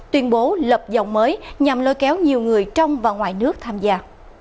tuyên bố lập dòng mới nhằm lôi kéo nhiều người trong và ngoài nước tham gia